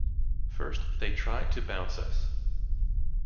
First they tried to bounce us.